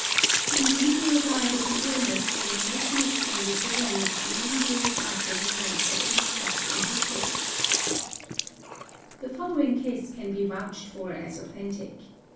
The individual died of an illness having no connec : tion with the wound many years after the knife had been stuck in his head &6 97), The following case can be vouched for as authentic.